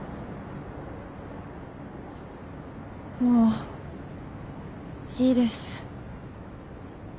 もういいです。